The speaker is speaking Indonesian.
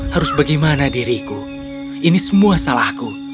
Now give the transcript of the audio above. harus bagaimana diriku ini semua salahku